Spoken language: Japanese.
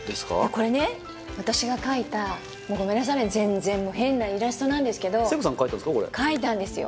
これねごめんなさいね全然変なイラストなんですけど聖子さん描いたんですか？